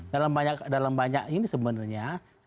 dalam banyak ini sebenarnya